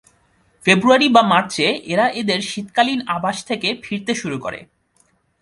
ফেব্রুয়ারি/মার্চে এরা এদের শীতকালীন আবাস থেকে ফিরতে শুরু করে।